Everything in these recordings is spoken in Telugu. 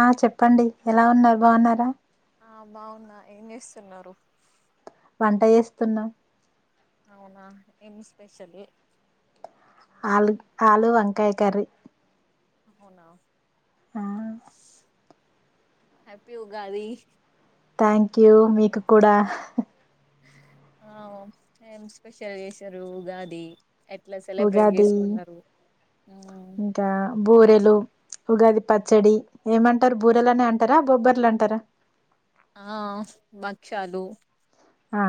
ఆ చెప్పండి ఎలా ఉన్నారు బాగున్నారా? ఆ బాగున్నా ఏం చేస్తున్నారు. వంట చేస్తున్నా అవునా ఎం స్పెషల్ ఏ ఆలు ఆలు వంకాయ కర్రీ అవునా ఆ హ్యాపీ ఉగాది. థ్యాంక్ యూ మీకు కూడా ఆ ఏం స్పెషల్ చేసారు ఉగాది ఎట్ల సెలబ్రేట్ ఉగాది చేసుకున్నరు. ఇంకా బూరెలు ఉగాది పచ్చడి ఏమంటరు బూరెలనే అంటారా బొబ్బట్లంటరా? ఆ భక్షాలు ఆ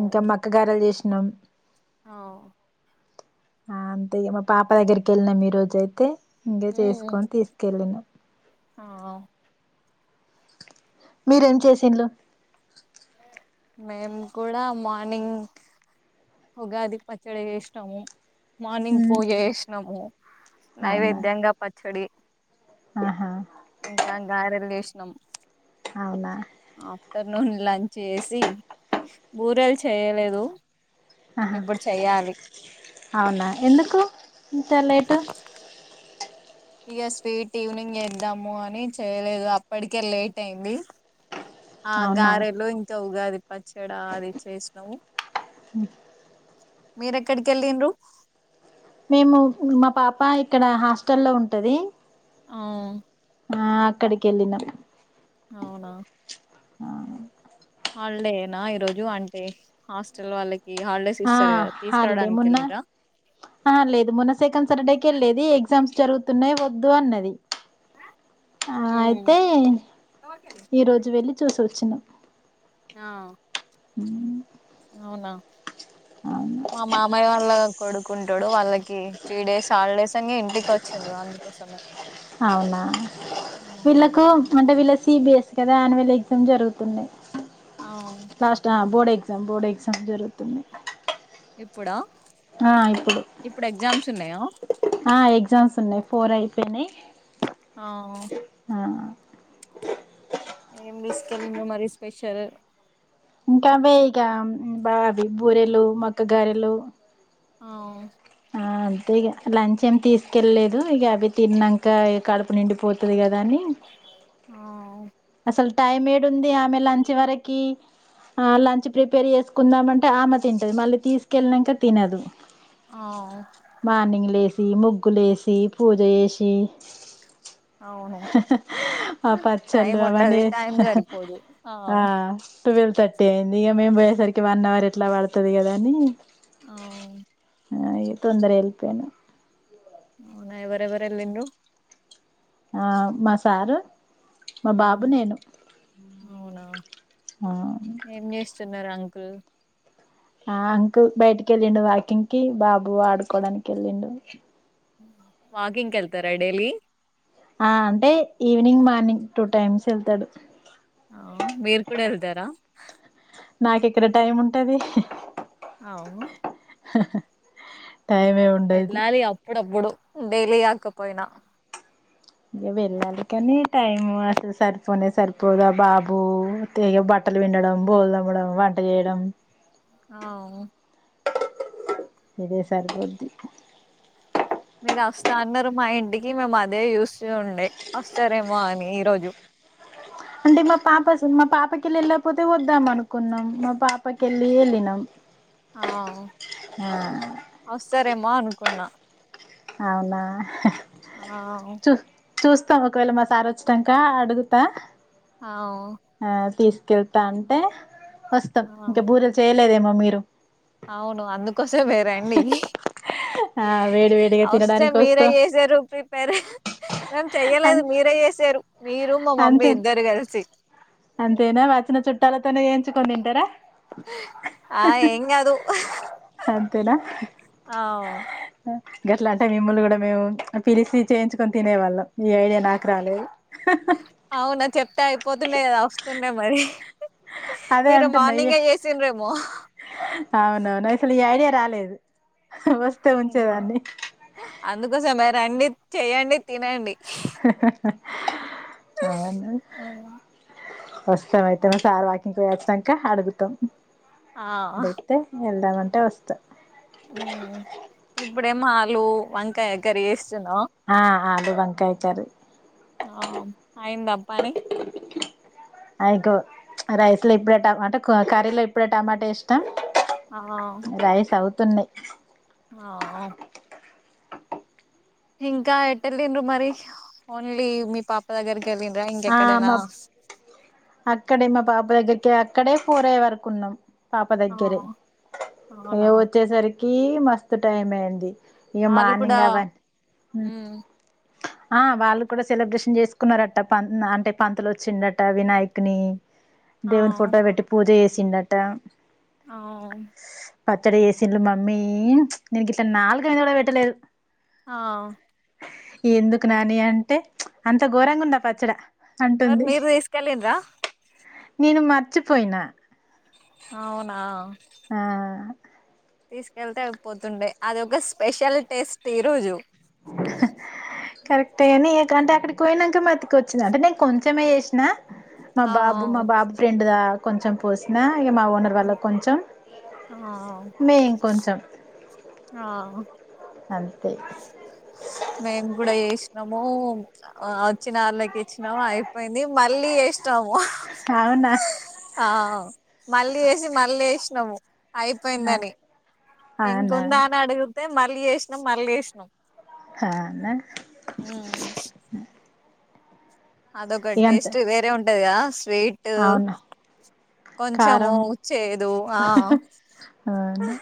ఇంకా మక్క గారెల్ చేసి నం ఆ ఆ అంతే ఇగ మా పాప దగ్గరికెవెళ్ళినం ఈ రోజైతే ఇంకా ఉమ్, చేసుకొని తీసుకెళ్ళినం ఆ మీరేం చేసింన్లు. మేము కూడా మార్నింగ్ ఉగాది పచ్చడ చేస్నము. మార్నింగ్ మ్మ్ పూజ చేసినము అవునా నైవేద్యంగా పచ్చడి ఆహా ఇంకా గారెల్ చేస్ నమ్. అవునా ర్నూన్ లంచ్ చేసి బూరెలు చేయలేదు. ఆహా ఇప్పుడు చెయ్యాలి అవునా ఎందుకూ? ఇంత లేట్ ఇగ స్వీట్ ఈవినింగే ఇద్దాము అని చేయలేదు అప్పటికే లేట్ అయింది. ఆ అవునా గారెలు ఇంకా ఉగాది పచ్చడా అది చేసినవు. మీ మీరెక్కడికెళ్ళిన్రూ మేము మా పాప ఇక్కడ హాస్టల్లో ఉంటది. ఆ ఆ అక్కడికెళ్ళినం. అవునా ఆ హాలిడేనా ఈరోజు అంటే హాస్టల్ వాళ్ళకి హాలిడేస్ ఆ ఇస్తారు కదా హాలిడే తీసుకురావడానికి మొన్న వెళ్ళిండ్రా ఆ లేదు మొన్న సెకండ్ సాటర్డే కే లేదు ఎగ్జామ్స్ జరుగు తునే వద్దు అన్నది ఆ ఉమ్ అయితే ఈ రోజు వెళ్ళి చూసి వచ్చినం ఆ హ అవునా మా మామయ్య వాళ్ళ కొడుకు ఉంటాడు వాళ్ళకి త్రీ డేస్ హాలిడేస్ అని ఇంటికి వచ్చిండు అందుకోసమే అవునా వీళ్ళలకు అంటే వీళ్ళ సిబిఎస్ కదా యాన్యుల్ ఎగ్జామ్ జరుగుతున్నాయి ఆ రాస్ట్రాన్ బోడే ఎగ్జామ్ బోర్డు ఎగ్జామ్ జరుగుతున్నాయి ఇప్పుడా ఆ ఇప్పుడు ఎగ్జామ్స్ ఉన్నాయా ఆ ఎ ఎగ్జామ్స్ ఉన్నాయ్ ఫోర్ అయిపోయినాయి ఆ ఆ ఏం తీసుకెళ్నవ్ మరి స్పెషల్ ఇంకా అ బే ఇగ బావి బూరెలు మక్కగారెలు అఓ ఆ అంతే ఇక లంచ్ ఏమి తీసుకెళ్ళలేదు ఇక అవి తిన్నాక ఇక కడుపు నిండిపోతుంది కదా అని ఆ అసలు టైం ఏడు ఉంది. ఆమె లంచ్ వరకి ఆ లంచ్ ప్రిపేర్ చేసుకుందామంటే ఆమె తింటది. మళ్ళీ తీసుకెళ్ళనాక తినదు. ఆ మా నింగ్ లేస్ ముగ్గులు వేసి పూజ చేసి అవును టైమ్ బవానేష్ ఆ అ ట్వెల్వ్ థర్టీ అయింది ఇక మేము పోయేసరికి వన్ అవర్ ఎట్లా పడుతుంది కదా అని అవు అ తొందరగ వెల్పేన అవునా ఎవరెవరు ఎల్లిండ్రు ఆ మసారు మా ఆ బాబు అవునా నేనుఆ న్నారు అంకుల్ ఆ అంకుల్ బయటికి వెళ్ళిండు వాకింగ్ కి బాబు ఆడుకోవడానికి వెళ్ళిండు వాకింగ్కి వెళ్తారా డైలీ ఆ అంటే ఈవినింగ్ మార్నింగ్ టూ టైమ్స్ వెళ్తాడు ఆ మీరు కూడా వెల్దారా నాకు ఇక్కడ టైం ఉంటది అవును టైమే ఉండది డెయిలీ కాకపోయినా ఇంక వెళ్ళాలి కానీ టైం అసలు సరిపోనే సరిపోదు ఆ బాబు తెగ బట్టలు పిండడం బోలుతోమడం వంట చేయడం ఆవు ఇదే సరిపోద్ది మీరు వస్తా అన్నారు మా ఇంటికి మేము అదే చూస్తూ ఉండే వస్తారేమో అని ఈరోజు అంటే మా పాప మా పాపకి వెళ్ళి వెళ్ళకపోతే వద్దాం అనుకున్నాం మా పాపకిల్లీ వెల్లీ నమ్ ఆ వస్తారేమో అనుకు ఉన్న అవునా ఆ చూ చూస్తాం ఒకవేళ మా సారి వచ్చాక అడుగుతా అ క్యూట్ అంటే వస్తాం ఇంకా బూరలు చేయలేదేమో మీరు అవును అందుకోసమే వేరండి ఆ వేడి వేడిగా వస్తే తినడానికి మీరే వస్తాం చేసారు ప్రిపేర్ మేం అం చెయ్యలేదు మీరే చేసారు మీరు మా మమ్మీ అంతే ఇద్దరు కలిసి అంతేనా వచ్చిన చుట్టాలతోనే ఏన్‌చుకోని తంటారా ఆ ఎంగ్ గాదు అంతేనా ఆ గట్లా అంటే మిమ్ముల్లు కూడా మేము పిలిచి చేయించుకొని తినేవాళ్ళం ఈ ఐడియా నాకు రాలేదు సన్న మరి అదే మీరు అంటున్నా ఈ మార్నింగ్ చేసిన రేమో అవునవును అసలు ఈ ఐడియా రాలేదు వస్తే ఉమ్. ఉంచేదాన్ని అందుకోసమే రండి చెయ్యడి తినండి అను ఉమ్. వస్తాం అయితే మ సార్ వాకింగ్కి వచ్చాక అడుగుతాం అడితే ఎంత తావంటే వస్తా ఇప్పుడే మాలు వంకాయ కర్రీ చేసి ఆ ఆ అడు వంకాయ కర్రీ ఆ అయింద పని అయికో రైస్ లో ఇప్పుడే టమాటా కర్రీలో ఇప్పుడే టమాటా ఏసిన ఆ రైస్ హ ఉత తున్నాయ్ ఆవో ఇంకా ఎటు వెళ్ళిరు మరి ఓన్లీ మీ పాప దగ్గరికి వెళ్ళిరా ఆ ఇంకెక్కడైనా మా అక్కడే మా పాప దగ్గరికి అక్కడే ఫోర్ అయ్యో వరకు ఉన్నాం పాప ఆ దగ్గరే ఇగ అవునా వచ్చేసరికి, కి మస్తు టైం అయింది ఇగా వాళ్ళు కూడా మార్నింగ్ అవన్నీ హు మ్మ్ ఆ వాళ్ళు కూడా సెలబ్రేషన్ చేసుకున్నారట ప అంటే పంతలు వచ్చిండట వినాయక్ కాని ఆ దేవుని ఫోటో పెట్టి పూజ చేసు వచ్చిండట అవు పచ్చడి చేసిల్లు మమ్మీ నేను గిట్ల నాలుక మీద కూడా పెట్టలేదు ఆ ఎందుకు నాని అంటే అంత ఘోరంగా ఉంది ఆ పచ్చడ మీరు అంటుంది మీరు తీసుకెళ్లిరా నేను మర్చిపోయినా అవునా ఆ తీసుకెళ్తే అయి పోతుండే అది ఒక స్పెషల్ టేస్ట్ ఈ రోజు కరెక్ట్ కానీ ఏ అక్కడికి పోయాన్నాక మతికి వచ్చింది అంటే నేను కొంచెమే చేసిన మా ఆ బాబు మా బాబు ఫ్రెండ్ అ కొంచెం పోసిన ఈగ మామ ఓనర్ ఆ వాళ్ళ కొంచం ఆ మేం కొంచెం ఆ అది మేము కూడా చేసి ము వచ్చినళ్ళకి ఇచ్చినాము అయిపోయింది మళ్ళీ చేసి నము అవునా ఆ మళ్లీ ఎసి మళ్ళ ఎసి నమో అయిపోయిందని ఇంకా అవునా ఉందా అని అడుగు తే మళ్ళీ చేసినాం మళ్ళీ చేసినాం అ అదొ ఒక టేస్ట్ వేరే ఉంట ంటది కదా అస్సల్ స్వీట్ అవునా కొంచం కారం చేదు అవును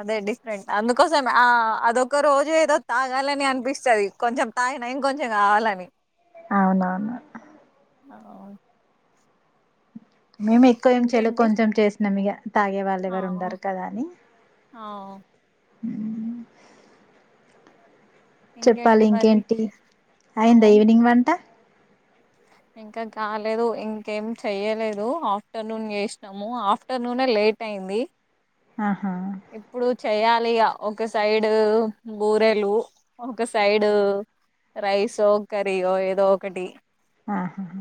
అదే అండి రెం అందుకోసం ఆ అదొ ఒక రోజు ఏదో తాగాలని అనిపిస్తుంది కొంచెం తాగిన ఇంకొంచెం కావాలని అవునవును అవును మేము ఎక్కువ ఏం చెయ్యలే ఇంకేంటి కొంచెం చేసినాం ఇగ తాగే వాళ్ళు ఆ ఎవరు ఉండరు కదా అని ఆ హ ఇంకేంటి చెప్పాలి మరి ఇంకేంటి ఆ అయిందా ఈవినింగ్ వంట ఇంకా కాలేదు ఇంకేం చెయ్యలేదు ఆఫ్టర్నూన్ చేసినాము ఆఫ్టర్నూనే లేట్ అయింది ఆహా ఇప్పుడు చెయ్యాలిగా ఒక సైడు బూరెలు ఒక సైడు రైస్ ఓ కర్రీయో ఏదో ఒకటి ఆహాహా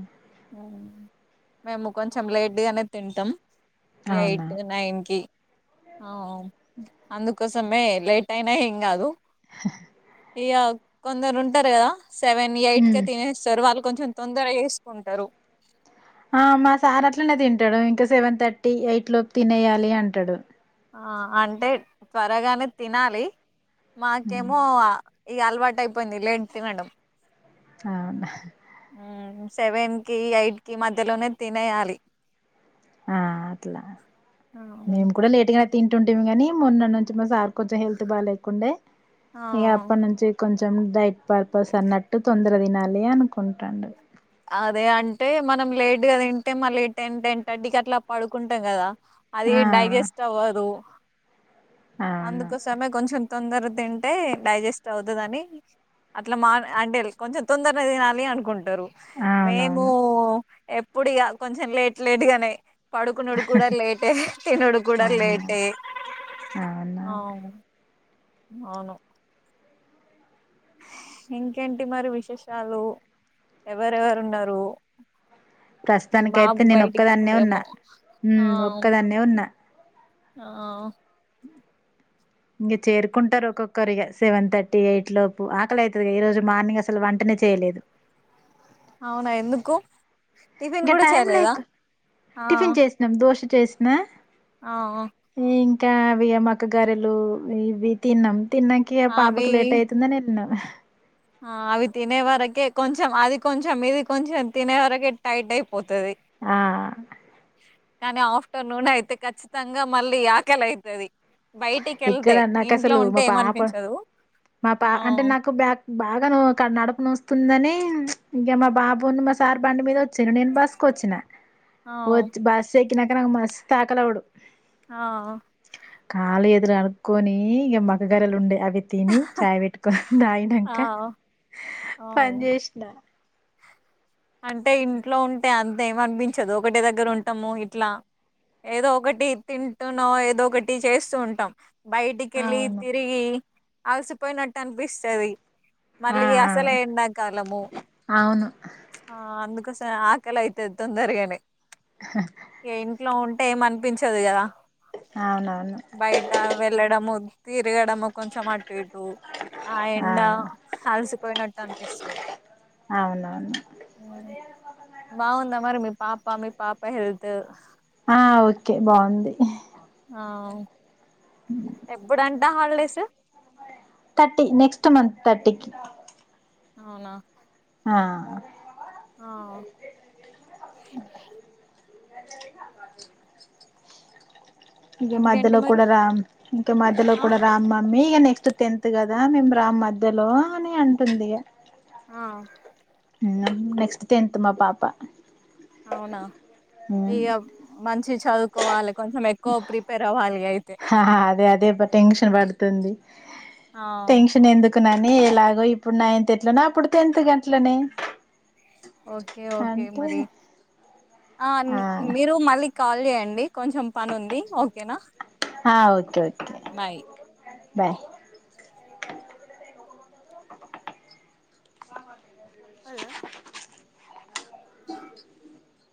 మేము కొంచెం లేట్ గానే తింటాం అవునా ఎయిట్ నైన్ కి అ అందుకోసం అందుకోసమే లేట్ అయినా ఏంగదు ఇగ కొందరు ఉంటారు కదా సెవెన్ ఎయిట్ కి ఉమ్ తినేస్తారు వాళ్ కొంచెం తొందరగా ఎస్కో కుంటారు ఆ మా సార్ అట్లనే తింటాడు ఇంకా సెవెన్ థర్టీ ఎయిట్ లోపు తినేయాలి అంటాడు ఆ అంటే త్వరగానే తినాలి ఉమ్, మాకేమో ఈ అలవాటు అయిపోయింది లేట్ తినడం అవునా మ్మ్ సెవెన్ కి ఎయిట్ కి మధ్యలోనే తినేయాలి ఆ అట్లా మేము కూడా లేట్గానే తింటుంటుమి కాని మొన్న నుంచి మా సార్ కొంచెం హెల్త్ బాగా లేకుంండే ఆ ఇగ అప్పటినుంచి కొం చం దై పర్పస్ అన్నట్టు తొంద్ గదినాలి అనుకుంటాండు. అదే అంటే మనం లేట్గా తింటే మళ్ళీ టెన్ టెన్ థర్టీకి అట్లా పడుకుంటాం కదా. అది ఆ డైజెస్ట్ అవ్వదు. అవును అందుకోసమే కొంచెం తొందర తింటే డైజెస్ట్ అవుతది అని, అట్లా మాద్ ఆండిల్ కొంచెం తొందరగా తినాలి, అనుకుంటరు మేము అవునవును ఎప్పుడు ఇగ కొంచెం లేట్ లేటుగానే పడుకునుడు కూడా లేటే తినుడు కూడా అవునా లేటే. అవునా ఆ అవును ఇంకేంటి మరి విశేషాలు ఎవరెవరు ఉన్నారు. మీ ప్రస్తుతానికి అయితే బాబు బయటికి నేనొక్కదాన్నే ఉన్నా, వెళ్ళడేమో ఉ ఆ ఒక్కదాన్నే ఉన్నా ఆ ఇంక చేరుకుంటారు, ఒక్కొక్కరు ఇగ సెవెన్ థర్టీ ఎయిట్ లోపు ఆకలి అయితది, ఈ రోజు మార్నింగ్ అసలు వంటనే చేయలేదు. అవునా ఎందుకు టిఫిన్ ఇంగా కూడా టైం చేయలేదా లేక్ ఆ టిఫిన్ చేస్నం దోశ్ చేస్నా ఆ ఒ కా అవియ మక్కా గారెలు ఇవి తిన్నాం. తిన్నంకే ఆ, అవి పాపకు లేట్ అయితుందని ఎల్నాం. ఆ అవి తినే వరకే కొంచెం అది కొంచెం ఇది కొంచెం తినే వరకే టైట్ అయ్ ఆ కానీ ఆఫ్టర్నూన్ అయితే ఖచ్చితంగా మళ్ళీ ఆకలి అయితది. బయటికి ఇక్కడ వెళ్తే ఇంట్లో నాకసలు ఉంటే మా పాప, ఏమనిపించదు మా పా ఆ అంటే నాకు బ్యా బాగా నువ్వు కన నడుపు నొస్తుందని చ్ ఇంగా మా బాబును, మా సార్ బండి మీద వచ్చిర్ నేను బస్సుకొచ్చినా ఆ వచ్చ్ బస్ ఏ క్కినాక నా మస్తు తాకలొడు. ఆ కాళ్లు ఎతులు అడుక్కుని, ఇక మక్కా గరెలు ఉండే అ తిని చాయ్ పెట్టుకుని దాగినంక ఆ ఆ పన్ చేస్నా అంటే ఇంట్లో ఉంటే అంతేమి అనిపించదు. ఒకటి దగ్గర ఉంటాము, ఇట్లా ఏదో ఒకటి తింటున్నామో ఏదో ఒకటి చేస్సూ ఉంటాం. బయటికెళ్లి అవును తిరిగి అలసిపోయినట్టు అనిపిస్సది. ఆ మళ్ళీ ఆ అసలే ఎండకాలము అవును ఆ అందుకోసం ఆకలి అయితది తొందర్గనే ఏ ఇంట్లో ఉం టే ఏం అనిపించదు కదా అవునవును బయట వెళ్ళడము తిరగడము కొంచం అటు ఇటు ఆ ఎండ అలసిపోయినట్టు అనిపిస్తది. అవునవును బాగుందా మరి మీ పా పా మీ పాప హెల్త్ ఆ ఓకే బాగుంది. ఆ ఎప్పుడంట్ ట హాలిడేస్ తర్టీ నెక్స్ట్ మంత్ తర్టీకి అవునా ఆ ఆ ఇంక ఇంకేంటి మధ్యలో మరి కూడా రాం ఇంక మధ్యలో ఆ కూడా రామ్ మా మ్మీ ఇగ నెక్స్ట్ టెన్త్ కదా మేము రాం మధ్యలో అని అంటుంది ఇగ ఆ నెక్స్ట్ టెన్త్ మా పాప అవునా ఇగ మంచి చదువుకోవాలి కొంచం ఎక్కువ ప్రిపేర్ అవ్వాలి అయి హ హా అదే అదే అబ్బ టెన్షన్ పడుతుంది. ఆ న్నని ఎలాగో ఇప్పుడు నైన్త్ ఎట్లోనే అప్పుడు టెన్త్ గట్లనే ఓకే ఓకే అంటే మరి ఆ మీరు మల్లిక్ కాల్ చెయ్యండి. కొంచం పనుంది ఓకేనా ఆ ఓకే ఓకే బాయ్ బాయ్ అ అదా